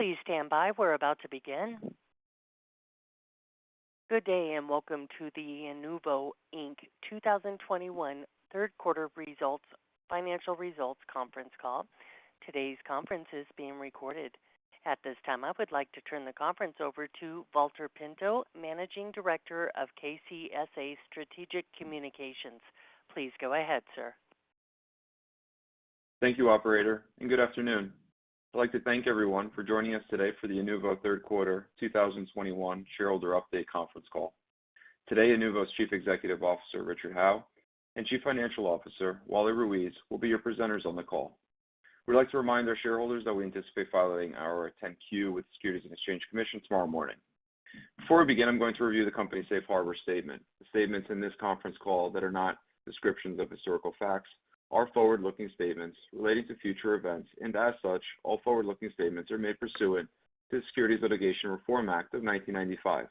Please stand by. We're about to begin. Good day, and welcome to the Inuvo, Inc. 2021 third quarter results, financial results conference call. Today's conference is being recorded. At this time, I would like to turn the conference over to Valter Pinto, Managing Director of KCSA Strategic Communications. Please go ahead, sir. Thank you, operator, and good afternoon. I'd like to thank everyone for joining us today for the Inuvo third quarter 2021 shareholder update conference call. Today, Inuvo's Chief Executive Officer, Richard Howe, and Chief Financial Officer, Wally Ruiz, will be your presenters on the call. We'd like to remind our shareholders that we anticipate filing our 10-Q with the Securities and Exchange Commission tomorrow morning. Before we begin, I'm going to review the company's safe harbor statement. The statements in this conference call that are not descriptions of historical facts are forward-looking statements relating to future events, and as such, all forward-looking statements are made pursuant to the Private Securities Litigation Reform Act of 1995.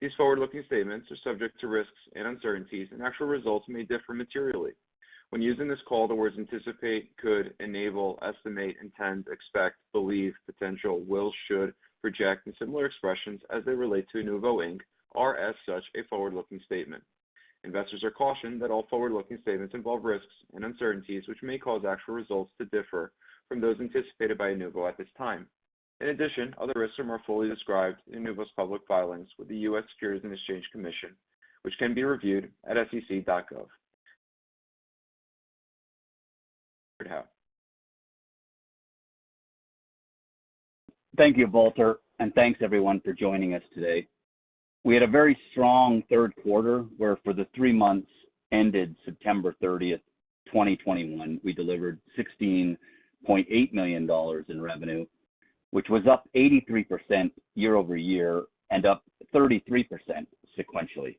These forward-looking statements are subject to risks and uncertainties, and actual results may differ materially. When using this call, the words anticipate, could, enable, estimate, intend, expect, believe, potential, will, should, project, and similar expressions as they relate to Inuvo, Inc. are, as such, a forward-looking statement. Investors are cautioned that all forward-looking statements involve risks and uncertainties which may cause actual results to differ from those anticipated by Inuvo at this time. In addition, other risks are more fully described in Inuvo's public filings with the U.S. Securities and Exchange Commission, which can be reviewed at sec.gov. Richard Howe. Thank you, Valter, and thanks everyone for joining us today. We had a very strong third quarter where for the three months ended September 30th, 2021, we delivered $16.8 million in revenue, which was up 83% year-over-year and up 33% sequentially.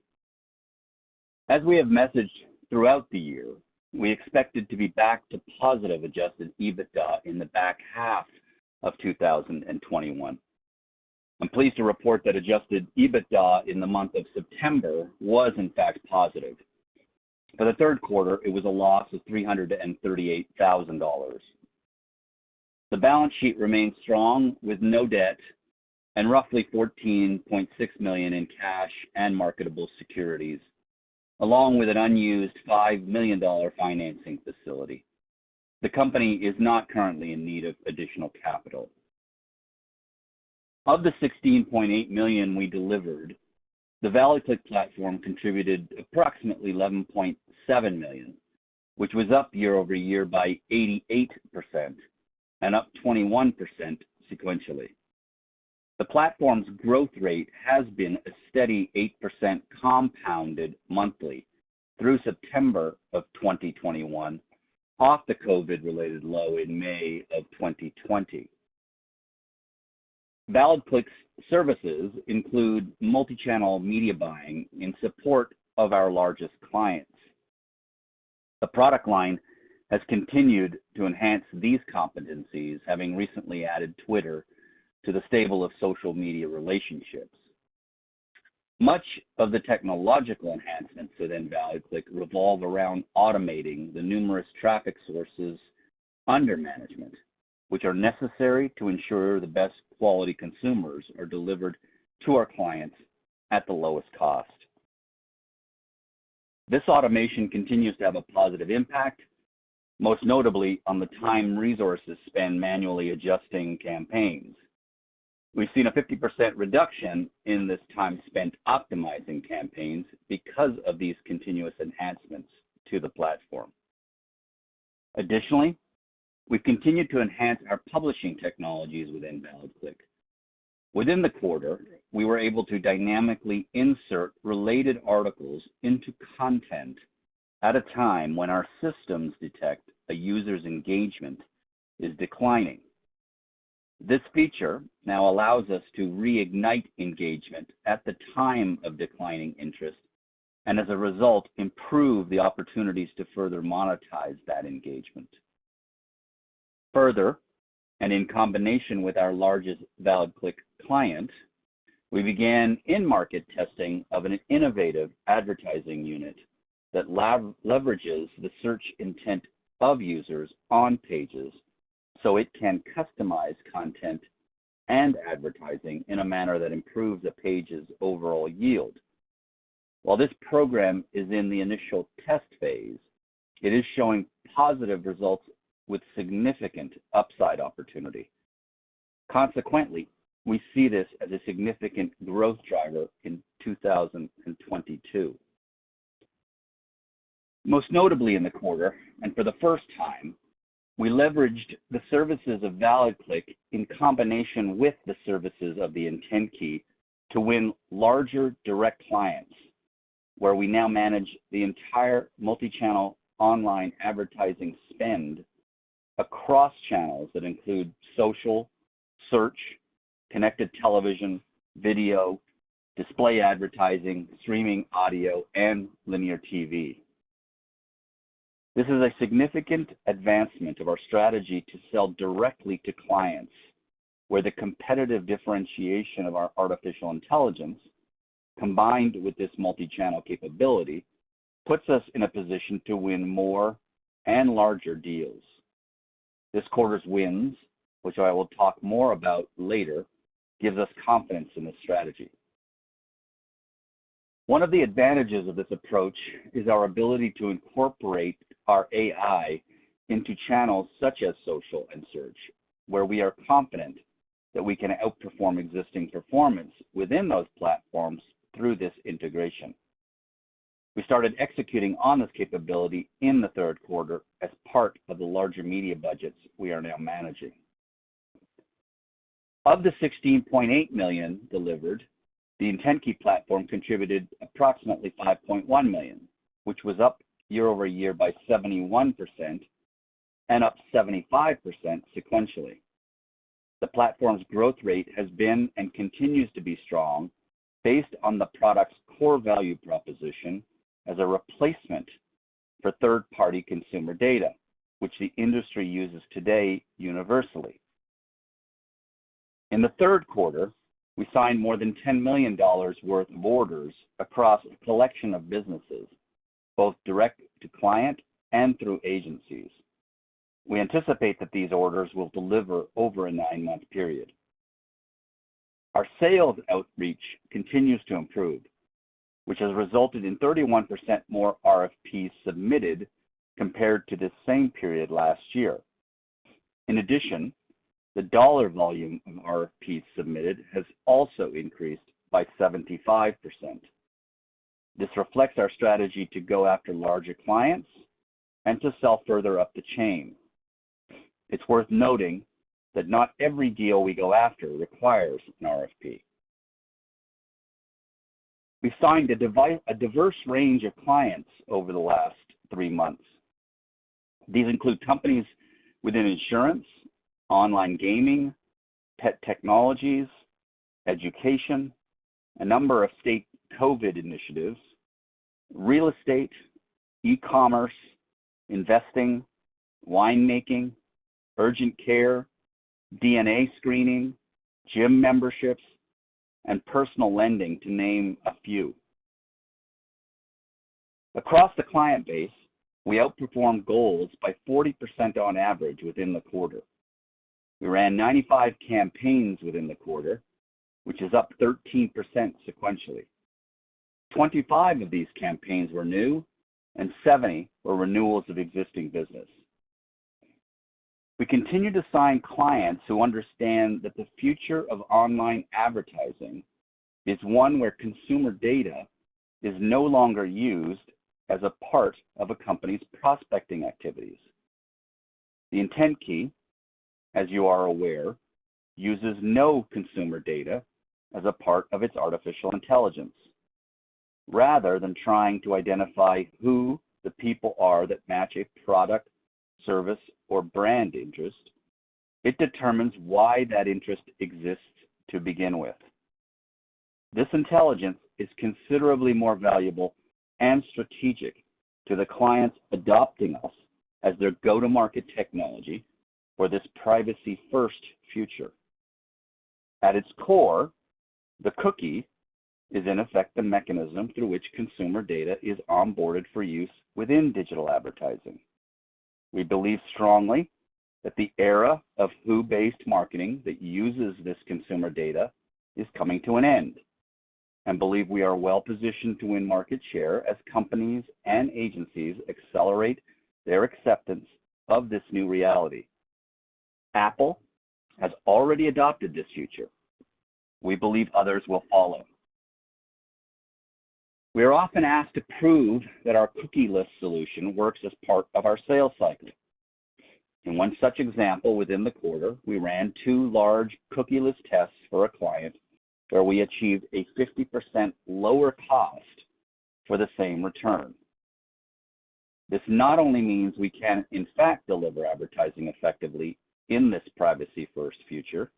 We expected to be back to positive adjusted EBITDA in the back half of 2021. I'm pleased to report that adjusted EBITDA in the month of September was in fact positive. For the third quarter, it was a loss of $338,000. The balance sheet remains strong with no debt and roughly $14.6 million in cash and marketable securities, along with an unused $5 million financing facility. The company is not currently in need of additional capital. Of the $16.8 million we delivered, the ValidClick platform contributed approximately $11.7 million, which was up year-over-year by 88% and up 21% sequentially. The platform's growth rate has been a steady 8% compounded monthly through September of 2021 off the COVID-19 related low in May of 2020. ValidClick's services include multi-channel media buying in support of our largest clients. The product line has continued to enhance these competencies, having recently added Twitter to the stable of social media relationships. Much of the technological enhancements within ValidClick revolve around automating the numerous traffic sources under management, which are necessary to ensure the best quality consumers are delivered to our clients at the lowest cost. This automation continues to have a positive impact, most notably on the time resources spend manually adjusting campaigns. We've seen a 50% reduction in this time spent optimizing campaigns because of these continuous enhancements to the platform. Additionally, we've continued to enhance our publishing technologies within ValidClick. Within the quarter, we were able to dynamically insert related articles into content at a time when our systems detect a user's engagement is declining. This feature now allows us to reignite engagement at the time of declining interest and as a result, improve the opportunities to further monetize that engagement. Further, and in combination with our largest ValidClick client, we began in-market testing of an innovative advertising unit that leverages the search intent of users on pages, so it can customize content and advertising in a manner that improves a page's overall yield. While this program is in the initial test phase, it is showing positive results with significant upside opportunity. Consequently, we see this as a significant growth driver in 2022. Most notably in the quarter, and for the first time, we leveraged the services of ValidClick in combination with the services of The IntentKey to win larger direct clients, where we now manage the entire multi-channel online advertising spend across channels that include social, search, connected television, video, display advertising, streaming audio, and linear TV. This is a significant advancement of our strategy to sell directly to clients, where the competitive differentiation of our artificial intelligence combined with this multi-channel capability puts us in a position to win more and larger deals. This quarter's wins, which I will talk more about later, gives us confidence in this strategy. One of the advantages of this approach is our ability to incorporate our AI into channels such as social and search, where we are confident that we can outperform existing performance within those platforms through this integration. We started executing on this capability in the third quarter as part of the larger media budgets we are now managing. Of the $16.8 million delivered, the IntentKey platform contributed approximately $5.1 million, which was up year-over-year by 71% and up 75% sequentially. The platform's growth rate has been and continues to be strong based on the product's core value proposition as a replacement for third-party consumer data, which the industry uses today universally. In the third quarter, we signed more than $10 million worth of orders across a collection of businesses, both direct to client and through agencies. We anticipate that these orders will deliver over a nine-month period. Our sales outreach continues to improve, which has resulted in 31% more RFPs submitted compared to this same period last year. In addition, the dollar volume of RFPs submitted has also increased by 75%. This reflects our strategy to go after larger clients and to sell further up the chain. It's worth noting that not every deal we go after requires an RFP. We signed a diverse range of clients over the last three months. These include companies within insurance, online gaming, pet technologies, education, a number of state COVID initiatives, real estate, e-commerce, investing, wine making, urgent care, DNA screening, gym memberships, and personal lending, to name a few. Across the client base, we outperformed goals by 40% on average within the quarter. We ran 95 campaigns within the quarter, which is up 13% sequentially. 25 of these campaigns were new and 70 were renewals of existing business. We continue to sign clients who understand that the future of online advertising is one where consumer data is no longer used as a part of a company's prospecting activities. The IntentKey, as you are aware, uses no consumer data as a part of its artificial intelligence. Rather than trying to identify who the people are that match a product, service, or brand interest, it determines why that interest exists to begin with. This intelligence is considerably more valuable and strategic to the clients adopting us as their go-to-market technology for this privacy first future. At its core, the cookie is in effect the mechanism through which consumer data is onboarded for use within digital advertising. We believe strongly that the era of who-based marketing that uses this consumer data is coming to an end, and believe we are well-positioned to win market share as companies and agencies accelerate their acceptance of this new reality. Apple has already adopted this future. We are often asked to prove that our cookieless solution works as part of our sales cycle. In one such example within the quarter, we ran two large cookieless tests for a client where we achieved a 50% lower cost for the same return. This not only means we can in fact deliver advertising effectively in this privacy first future,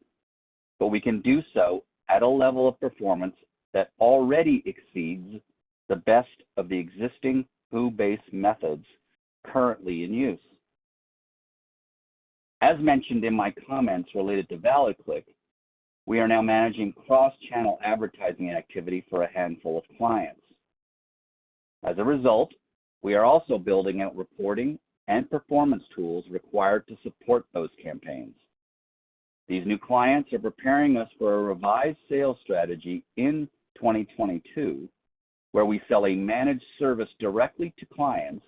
but we can do so at a level of performance that already exceeds the best of the existing who-based methods currently in use. As mentioned in my comments related to ValidClick, we are now managing cross-channel advertising activity for a handful of clients. As a result, we are also building out reporting and performance tools required to support those campaigns. These new clients are preparing us for a revised sales strategy in 2022, where we sell a managed service directly to clients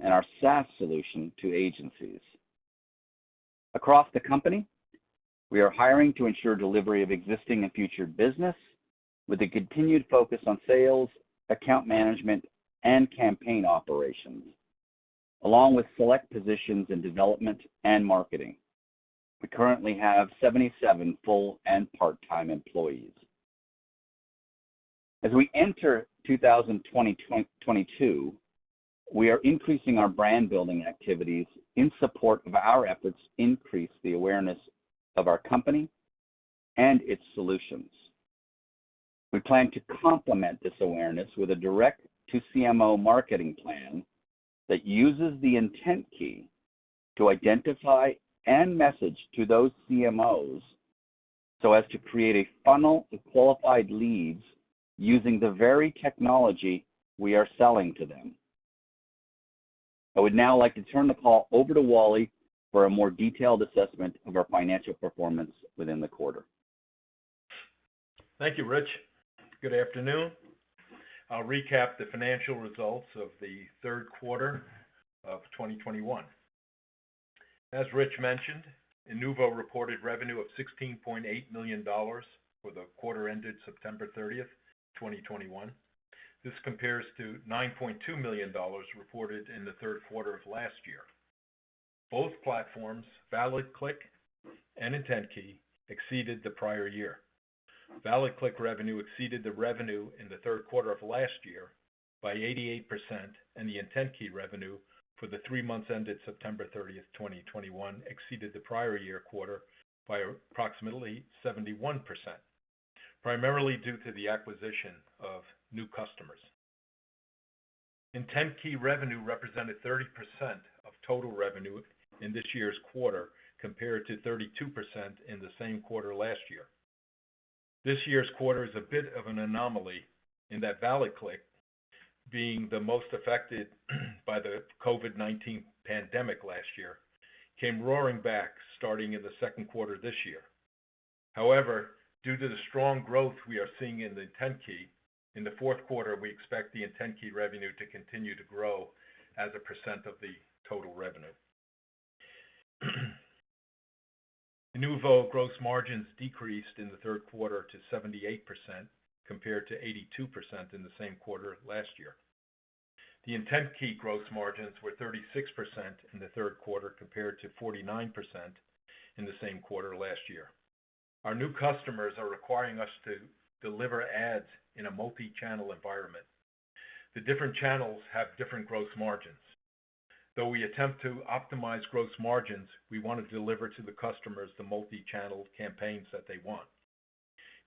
and our SaaS solution to agencies. Across the company, we are hiring to ensure delivery of existing and future business with a continued focus on sales, account management, and campaign operations, along with select positions in development and marketing. We currently have 77 full and part-time employees. As we enter 2022, we are increasing our brand-building activities in support of our efforts to increase the awareness of our company and its solutions. We plan to complement this awareness with a direct to CMO marketing plan that uses the IntentKey to identify and message to those CMOs so as to create a funnel of qualified leads using the very technology we are selling to them. I would now like to turn the call over to Wally for a more detailed assessment of our financial performance within the quarter. Thank you, Rich. Good afternoon. I'll recap the financial results of the third quarter of 2021. As Rich mentioned, Inuvo reported revenue of $16.8 million for the quarter ended September 30th, 2021. This compares to $9.2 million reported in the third quarter of last year. Both platforms, ValidClick and IntentKey, exceeded the prior year. ValidClick revenue exceeded the revenue in the third quarter of last year by 88%, and the IntentKey revenue for the three months ended September 30th, 2021 exceeded the prior year quarter by approximately 71%, primarily due to the acquisition of new customers. IntentKey revenue represented 30% of total revenue in this year's quarter, compared to 32% in the same quarter last year. This year's quarter is a bit of an anomaly in that ValidClick, being the most affected by the COVID-19 pandemic last year, came roaring back starting in the second quarter this year. However, due to the strong growth we are seeing in IntentKey, in the fourth quarter, we expect the IntentKey revenue to continue to grow as a percent of the total revenue. Inuvo gross margins decreased in the third quarter to 78%, compared to 82% in the same quarter last year. The IntentKey gross margins were 36% in the third quarter, compared to 49% in the same quarter last year. Our new customers are requiring us to deliver ads in a multi-channel environment. The different channels have different gross margins. Though we attempt to optimize gross margins, we want to deliver to the customers the multi-channel campaigns that they want.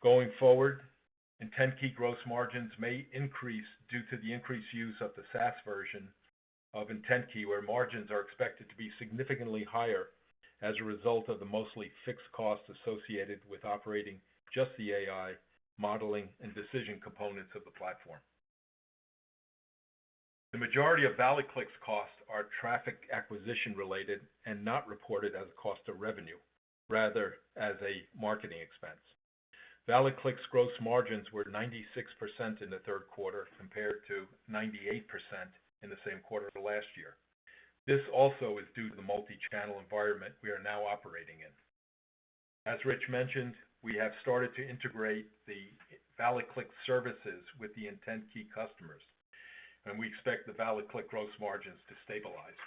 Going forward, IntentKey gross margins may increase due to the increased use of the SaaS version of IntentKey, where margins are expected to be significantly higher as a result of the mostly fixed costs associated with operating just the AI modeling and decision components of the platform. The majority of ValidClick's costs are traffic acquisition-related and not reported as cost of revenue, rather as a marketing expense. ValidClick's gross margins were 96% in the third quarter, compared to 98% in the same quarter of last year. This also is due to the multi-channel environment we are now operating in. As Rich mentioned, we have started to integrate the ValidClick services with the IntentKey customers, and we expect the ValidClick gross margins to stabilize.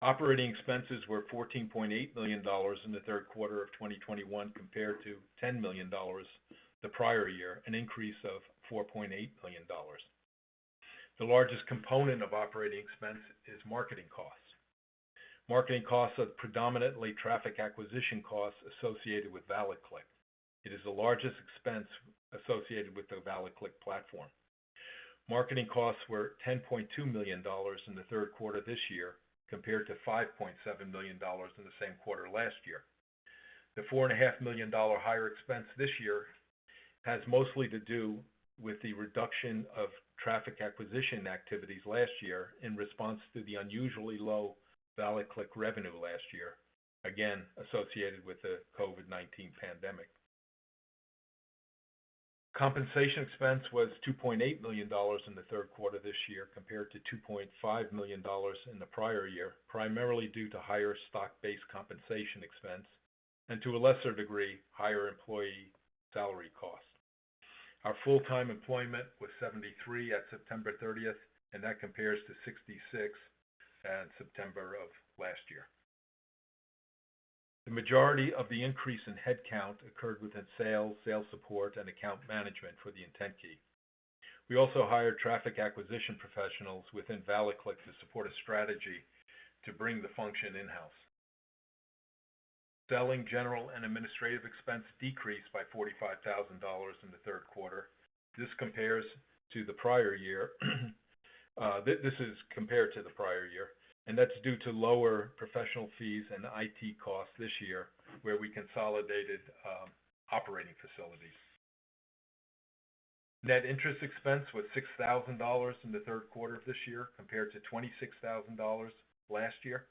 Operating expenses were $14.8 million in the third quarter of 2021, compared to $10 million the prior year, an increase of $4.8 million. The largest component of operating expense is marketing costs. Marketing costs are predominantly traffic acquisition costs associated with ValidClick. It is the largest expense associated with the ValidClick platform. Marketing costs were $10.2 million in the third quarter this year, compared to $5.7 million in the same quarter last year. The $4.5 million higher expense this year has mostly to do with the reduction of traffic acquisition activities last year in response to the unusually low ValidClick revenue last year, again, associated with the COVID-19 pandemic. Compensation expense was $2.8 million in the third quarter this year, compared to $2.5 million in the prior year, primarily due to higher stock-based compensation expense and, to a lesser degree, higher employee salary costs. Our full-time employment was 73 at September 30th, and that compares to 66 at September of last year. The majority of the increase in headcount occurred within sales support, and account management for the IntentKey. We also hired traffic acquisition professionals within ValidClick to support a strategy to bring the function in-house. Selling, general, and administrative expense decreased by $45,000 in the third quarter compared to the prior year, and that's due to lower professional fees and IT costs this year, where we consolidated operating facilities. Net interest expense was $6,000 in the third quarter of this year, compared to $26,000 last year.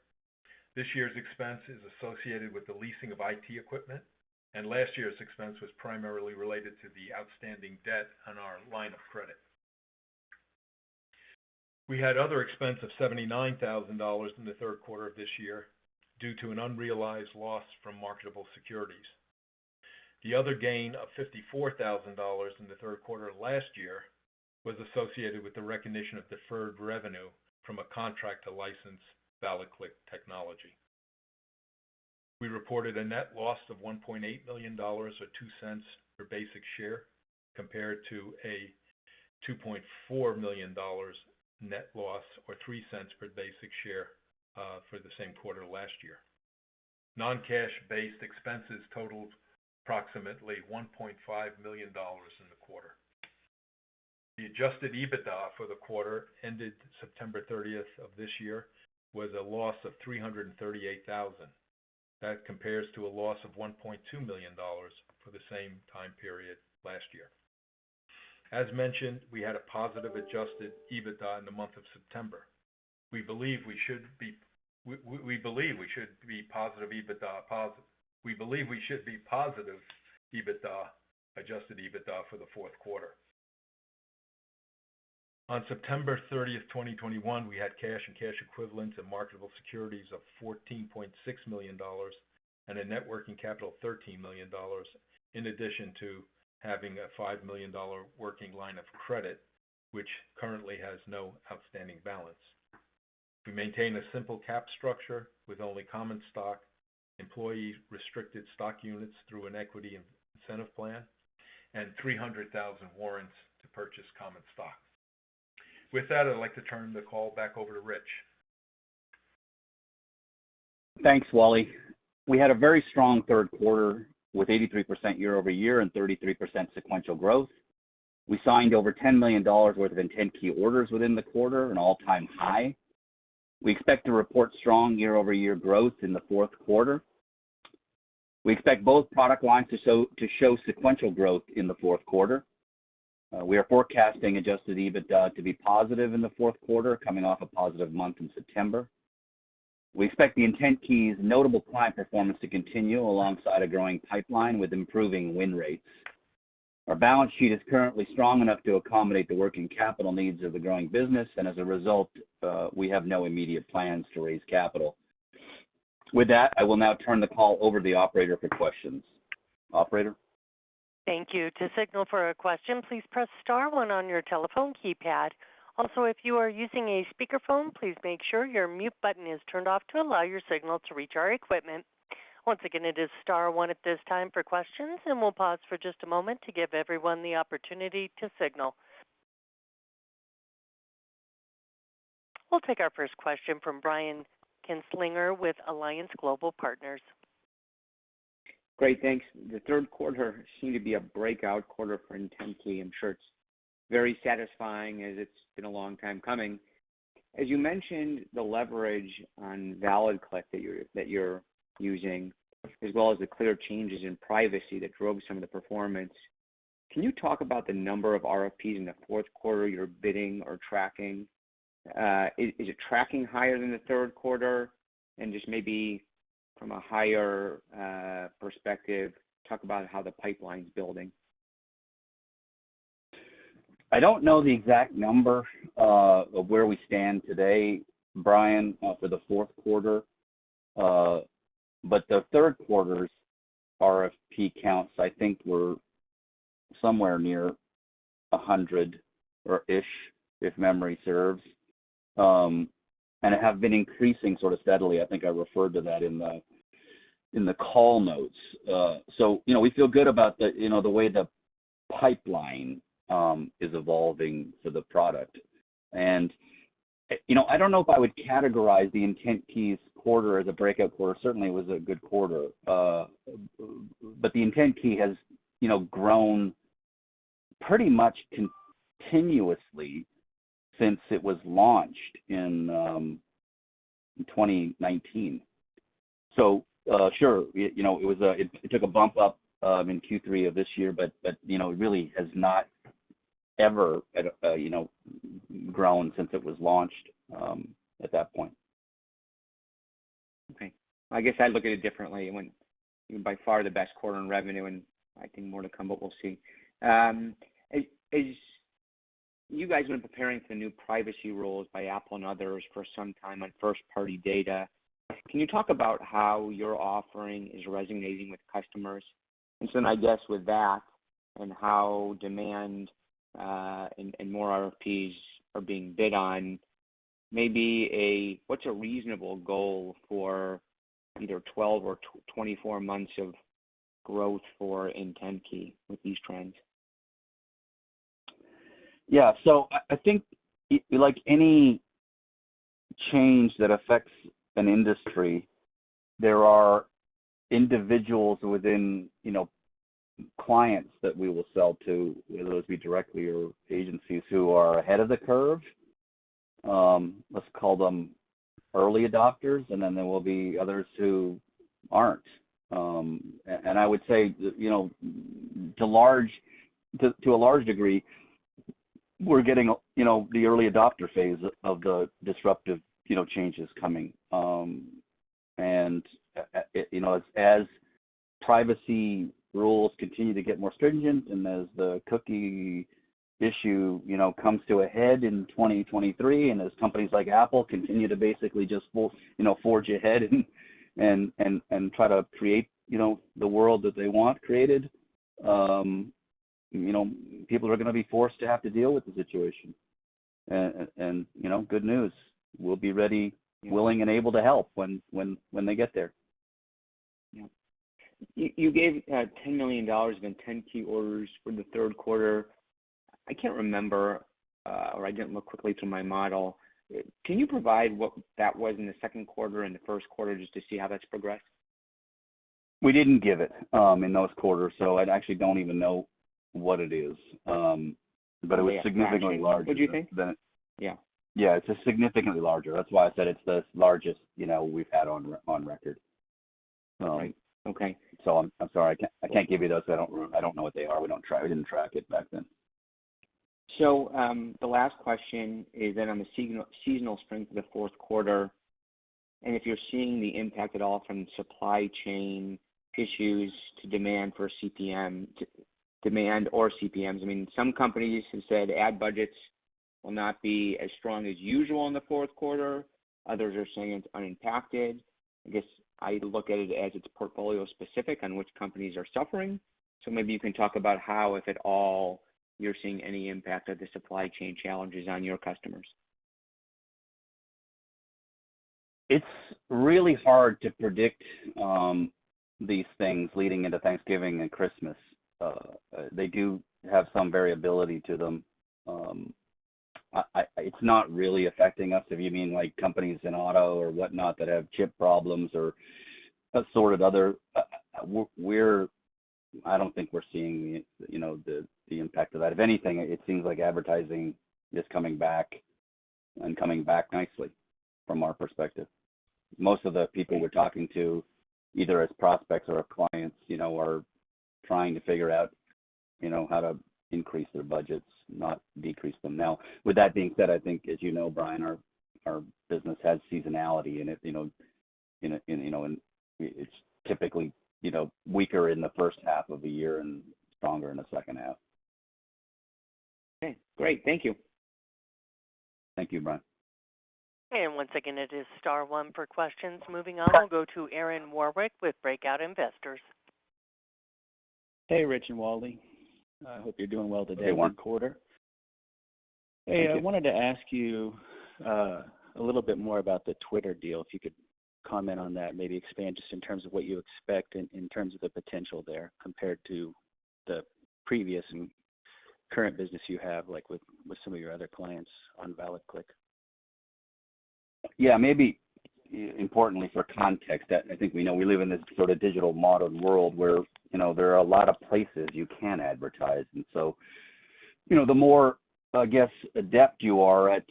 This year's expense is associated with the leasing of IT equipment, and last year's expense was primarily related to the outstanding debt on our line of credit. We had other expense of $79,000 in the third quarter of this year due to an unrealized loss from marketable securities. The other gain of $54,000 in the third quarter last year was associated with the recognition of deferred revenue from a contract to license ValidClick technology. We reported a net loss of $1.8 million, or $0.02 per basic share, compared to a $2.4 million net loss, or $0.03 per basic share, for the same quarter last year. Non-cash based expenses totaled approximately $1.5 million in the quarter. The adjusted EBITDA for the quarter ended September 30th of this year was a loss of $338,000. That compares to a loss of $1.2 million for the same time period last year. As mentioned, we had a positive adjusted EBITDA in the month of September. We believe we should be positive EBITDA, adjusted EBITDA for the fourth quarter. On September 30th, 2021, we had cash and cash equivalents and marketable securities of $14.6 million and a net working capital of $13 million, in addition to having a $5 million working line of credit, which currently has no outstanding balance. We maintain a simple cap structure with only common stock, employee restricted stock units through an equity incentive plan, and 300,000 warrants to purchase common stock. With that, I'd like to turn the call back over to Rich. Thanks, Wally. We had a very strong third quarter with 83% year-over-year and 33% sequential growth. We signed over $10 million worth of IntentKey orders within the quarter, an all-time high. We expect to report strong year-over-year growth in the fourth quarter. We expect both product lines to show sequential growth in the fourth quarter. We are forecasting adjusted EBITDA to be positive in the fourth quarter, coming off a positive month in September. We expect the IntentKey's notable client performance to continue alongside a growing pipeline with improving win rates. Our balance sheet is currently strong enough to accommodate the working capital needs of the growing business, and as a result, we have no immediate plans to raise capital. With that, I will now turn the call over to the operator for questions. Operator? Thank you. To signal for a question, please press star one on your telephone keypad. Also, if you are using a speakerphone, please make sure your mute button is turned off to allow your signal to reach our equipment. Once again, it is star one at this time for questions, and we'll pause for just a moment to give everyone the opportunity to signal. We'll take our first question from Brian Kinstlinger with Alliance Global Partners. Great, thanks. The third quarter seemed to be a breakout quarter for IntentKey. I'm sure it's very satisfying as it's been a long time coming. As you mentioned, the leverage on ValidClick that you're using, as well as the clear changes in privacy that drove some of the performance, can you talk about the number of RFPs in the fourth quarter you're bidding or tracking? Is it tracking higher than the third quarter? Just maybe from a higher perspective, talk about how the pipeline's building. I don't know the exact number of where we stand today, Brian, for the fourth quarter, but the third quarter's RFP counts I think were somewhere near 100 or so, if memory serves. They have been increasing sort of steadily. I think I referred to that in the call notes. You know, we feel good about the way the pipeline is evolving for the product. You know, I don't know if I would categorize the IntentKey's quarter as a breakout quarter. Certainly, it was a good quarter. The IntentKey has grown pretty much continuously since it was launched in 2019. Sure, you know, it took a bump up in Q3 of this year, but you know, it really has not ever at all grown since it was launched at that point. Okay. I guess I look at it differently when by far the best quarter in revenue and I think more to come, but we'll see. Have you guys been preparing for the new privacy rules by Apple and others for some time on first-party data? Can you talk about how your offering is resonating with customers? Then I guess with that and how demand and more RFPs are being bid on, maybe what's a reasonable goal for either 12 or 24 months of growth for IntentKey with these trends? Yeah. I think like any change that affects an industry, there are individuals within, you know, clients that we will sell to, whether it be directly or agencies who are ahead of the curve, let's call them early adopters, and then there will be others who aren't. I would say, you know, to a large degree, we're getting, you know, the early adopter phase of the disruptive, you know, changes coming. You know, as privacy rules continue to get more stringent and as the cookie issue comes to a head in 2023, and as companies like Apple continue to basically just fully forge ahead and try to create the world that they want created, you know, people are gonna be forced to have to deal with the situation. You know, good news, we'll be ready, willing, and able to help when they get there. You gave $10 million in IntentKey orders for the third quarter. I can't remember or I didn't look quickly through my model. Can you provide what that was in the second quarter and the first quarter just to see how that's progressed? We didn't give it in those quarters, so I actually don't even know what it is. It was significantly larger than. Would you think? It's just significantly larger. That's why I said it's the largest, you know, we've had on record. Okay. I'm sorry. I can't give you those. I don't know what they are. We didn't track it back then. The last question is then on the seasonal strength of the fourth quarter, and if you're seeing the impact at all from supply chain issues to demand for CPM, demand or CPMs. I mean, some companies have said ad budgets will not be as strong as usual in the fourth quarter. Others are saying it's unimpacted. I guess I look at it as it's portfolio specific on which companies are suffering. Maybe you can talk about how, if at all, you're seeing any impact of the supply chain challenges on your customers. It's really hard to predict these things leading into Thanksgiving and Christmas. They do have some variability to them. It's not really affecting us if you mean like companies in auto or whatnot that have chip problems or that sort of other. I don't think we're seeing, you know, the impact of that. If anything, it seems like advertising is coming back and coming back nicely from our perspective. Most of the people we're talking to, either as prospects or as clients, you know, are trying to figure out, you know, how to increase their budgets, not decrease them. Now, with that being said, I think, as you know, Brian, our business has seasonality in it. It's typically, you know, weaker in the first half of the year and stronger in the second half. Okay, great. Thank you. Thank you, Brian. Once again, it is star one for questions. Moving on, we'll go to Aaron Warwick with Breakout Investors. Hey, Rich and Wally. I hope you're doing well today. Hey, Aaron. Fourth quarter. Hey, I wanted to ask you a little bit more about the Twitter deal, if you could comment on that, maybe expand just in terms of what you expect in terms of the potential there compared to the previous and current business you have, like with some of your other clients on ValidClick. Yeah. Maybe importantly for context, I think we know we live in this sort of digital media world where, you know, there are a lot of places you can advertise. You know, the more, I guess, adept you are at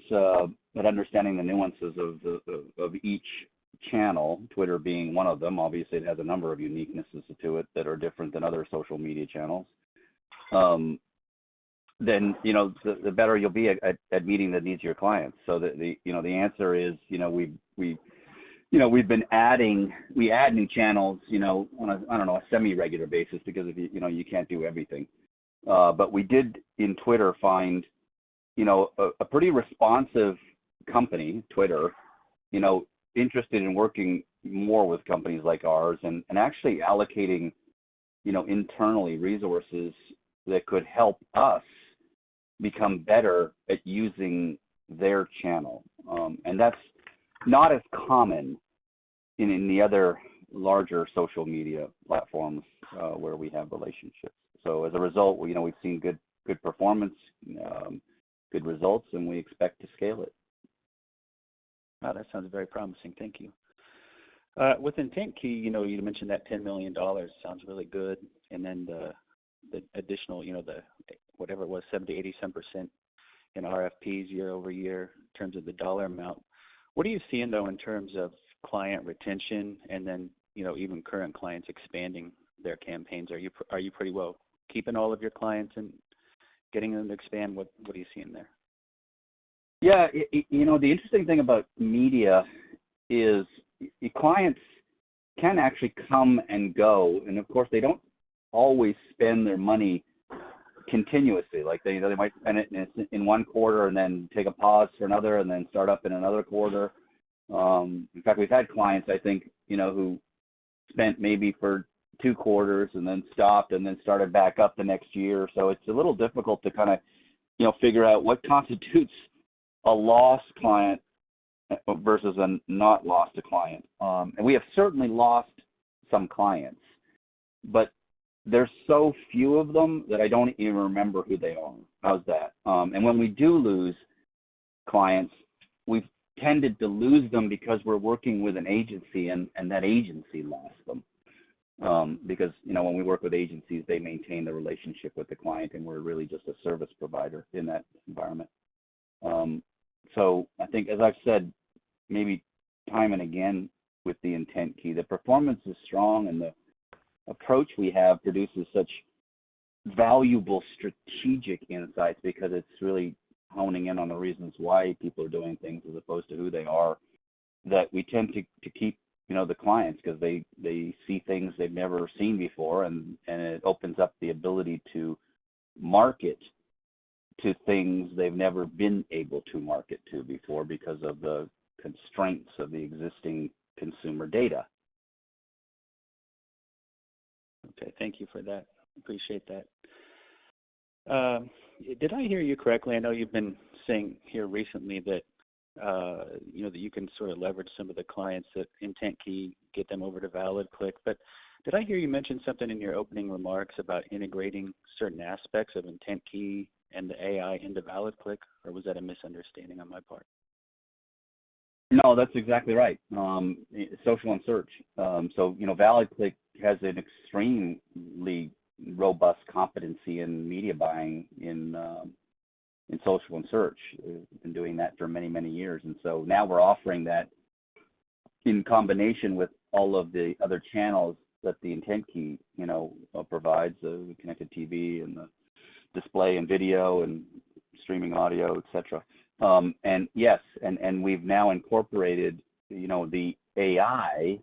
understanding the nuances of each channel, Twitter being one of them, obviously it has a number of uniquenesses to it that are different than other social media channels, then, you know, the better you'll be at meeting the needs of your clients. The answer is, you know, we add new channels, you know, on a I don't know, a semi-regular basis because, you know, you can't do everything. We did find in Twitter, you know, a pretty responsive company, Twitter, you know, interested in working more with companies like ours and actually allocating, you know, internally resources that could help us become better at using their channel. That's not as common in any other larger social media platforms where we have relationships. As a result, you know, we've seen good performance, good results, and we expect to scale it. Wow, that sounds very promising. Thank you. Within IntentKey, you know, you mentioned that $10 million. Sounds really good. The additional, you know, whatever it was, 70%-80% in RFPs year-over-year in terms of the dollar amount. What are you seeing though in terms of client retention and then, you know, even current clients expanding their campaigns? Are you pretty well keeping all of your clients and getting them to expand? What are you seeing there? Yeah. You know, the interesting thing about media is clients can actually come and go, and of course, they don't always spend their money continuously. Like they, you know, they might spend it in one quarter and then take a pause for another and then start up in another quarter. In fact, we've had clients, I think, you know, who spent maybe for two quarters and then stopped and then started back up the next year. It's a little difficult to kind of, you know, figure out what constitutes a lost client versus a not lost client. We have certainly lost some clients, but there's so few of them that I don't even remember who they are. How's that? When we do lose clients, we've tended to lose them because we're working with an agency and that agency lost them. Because, you know, when we work with agencies, they maintain the relationship with the client, and we're really just a service provider in that environment. I think as I've said maybe time and again with the IntentKey, the performance is strong and the approach we have produces such valuable strategic insights because it's really honing in on the reasons why people are doing things as opposed to who they are, that we tend to keep, you know, the clients because they see things they've never seen before and it opens up the ability to market to things they've never been able to market to before because of the constraints of the existing consumer data. Okay. Thank you for that. Appreciate that. Did I hear you correctly? I know you've been saying here recently that, you know, that you can sort of leverage some of the clients at IntentKey, get them over to ValidClick. Did I hear you mention something in your opening remarks about integrating certain aspects of IntentKey and the AI into ValidClick, or was that a misunderstanding on my part? No, that's exactly right. Social and search. You know, ValidClick has an extremely robust competency in media buying in social and search. We've been doing that for many, many years. Now we're offering that in combination with all of the other channels that The IntentKey, you know, provides, the connected TV and the display and video and streaming audio, et cetera. Yes, and we've now incorporated, you know, the AI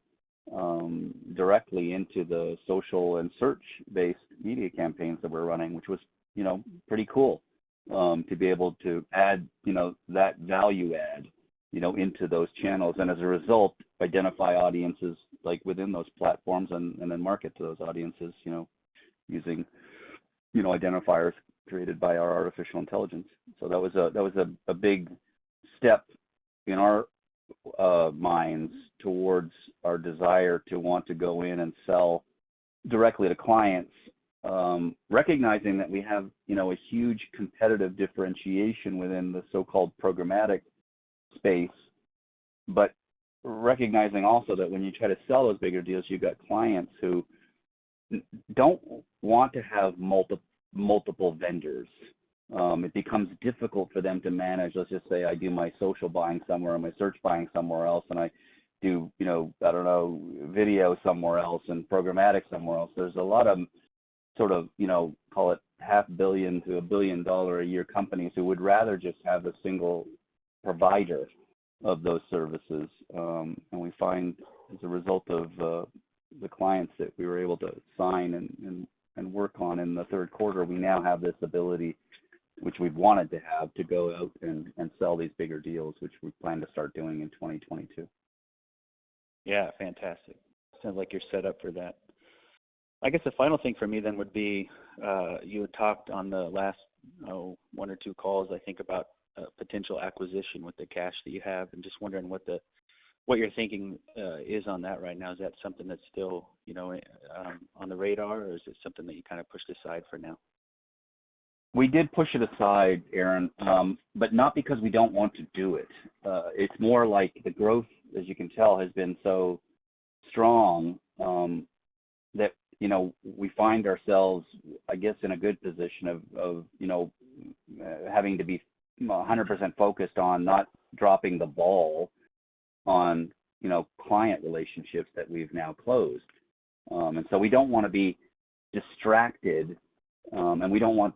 directly into the social and search-based media campaigns that we're running, which was, you know, pretty cool, to be able to add, you know, that value add, you know, into those channels, and as a result, identify audiences like within those platforms and then market to those audiences, you know, using, you know, identifiers created by our artificial intelligence. That was a big step in our minds towards our desire to want to go in and sell directly to clients, recognizing that we have, you know, a huge competitive differentiation within the so-called programmatic space, but recognizing also that when you try to sell those bigger deals, you've got clients who don't want to have multiple vendors. It becomes difficult for them to manage. Let's just say I do my social buying somewhere and my search buying somewhere else, and I do, you know, I don't know, video somewhere else and programmatic somewhere else. There's a lot of sort of, you know, call it half billion to $1 billion-a-year companies who would rather just have a single provider of those services. We find as a result of the clients that we were able to sign and work on in the third quarter, we now have this ability, which we've wanted to have, to go out and sell these bigger deals, which we plan to start doing in 2022. Yeah. Fantastic. Sounds like you're set up for that. I guess the final thing for me then would be, you had talked on the last, oh, one or two calls, I think, about potential acquisition with the cash that you have. I'm just wondering what your thinking is on that right now. Is that something that's still, you know, on the radar, or is this something that you kind of pushed aside for now? We did push it aside, Aaron, but not because we don't want to do it. It's more like the growth, as you can tell, has been so strong that you know, we find ourselves, I guess, in a good position of of you know, having to be 100% focused on not dropping the ball on you know, client relationships that we've now closed. And so we don't wanna be distracted and we don't want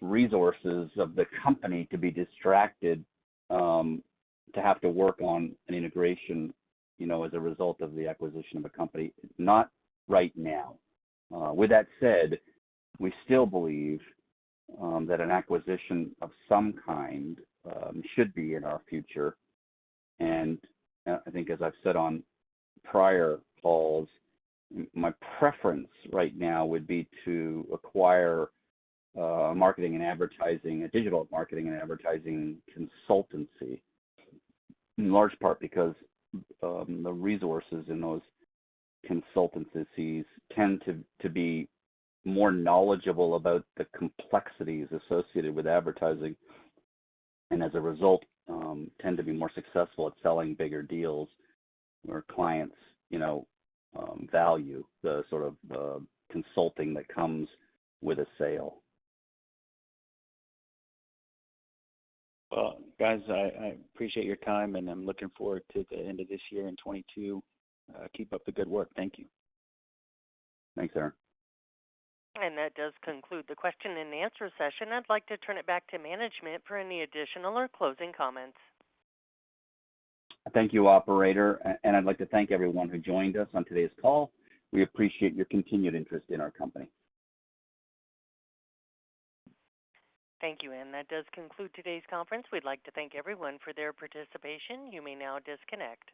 the resources of the company to be distracted to have to work on an integration you know, as a result of the acquisition of a company. Not right now. With that said, we still believe that an acquisition of some kind should be in our future. I think as I've said on prior calls, my preference right now would be to acquire a marketing and advertising, a digital marketing and advertising consultancy, in large part because the resources in those consultancies tend to be more knowledgeable about the complexities associated with advertising and as a result, tend to be more successful at selling bigger deals where clients, you know, value the sort of consulting that comes with a sale. Well, guys, I appreciate your time, and I'm looking forward to the end of this year in 2022. Keep up the good work. Thank you. Thanks, Aaron. That does conclude the question and answer session. I'd like to turn it back to management for any additional or closing comments. Thank you, operator. I'd like to thank everyone who joined us on today's call. We appreciate your continued interest in our company. Thank you. That does conclude today's conference. We'd like to thank everyone for their participation. You may now disconnect.